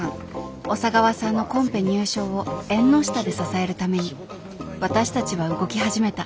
小佐川さんのコンペ入賞を縁の下で支えるために私たちは動き始めた